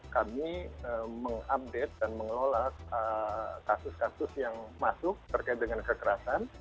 kami mengupdate dan mengelola kasus kasus yang masuk terkait dengan kekerasan